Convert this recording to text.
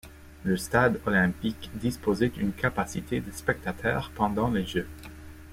Le stade olympique disposait d'une capacité de spectateurs pendant les jeux.